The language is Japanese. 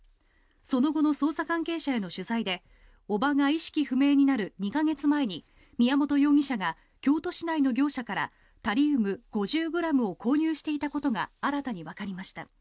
その後の捜査関係者への取材で叔母が意識不明になる２か月前に宮本容疑者が京都市内の業者からタリウム５０ｇを購入していたことが新たにわかりました。